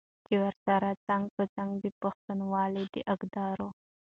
چې ورسره څنګ په څنګ د پښتونولۍ د اقدارو